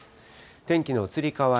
天気の移り変わり。